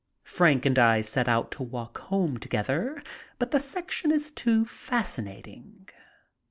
Frank and I set out to walk home together, but the section is too fascinating.